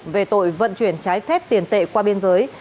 về tội vận chuyển trái phép tiền tệ qua biên giới